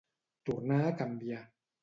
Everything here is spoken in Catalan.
Tornar a canviar.